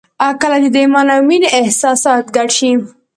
کله چې د ایمان او مینې احساسات ګډ شي